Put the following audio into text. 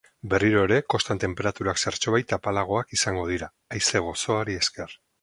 Berriro ere, kostan tenperaturak zertxobait apalagoak izango dira, haize gozoari esker.